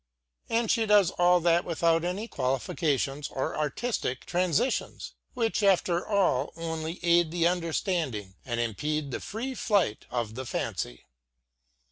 And she does all that without any qualifications or artistic transitions, which after all only aid the understanding and impede the free flight of the fancy.